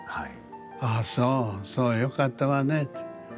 「ああそうそうよかったわね。